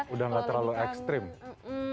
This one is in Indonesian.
udah nggak terlalu ekstrim